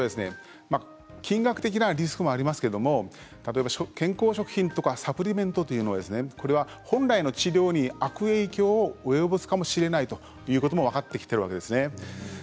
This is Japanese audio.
リスクもありますけれど例えば、健康食品とかサプリメントというのはこれは本来の治療に悪影響を及ぼすかもしれないということも分かってきているわけです。